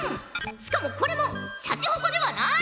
しかもこれもシャチホコではない！